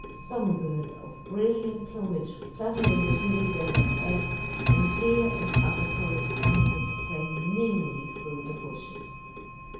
Song birds of brilliant plumage fluttered in the trees overhead, and deer and other forest animals sprang nimbly through the bushes.